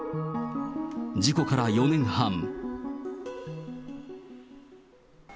事故から４年半。